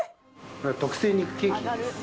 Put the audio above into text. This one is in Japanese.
特製肉ケーキです。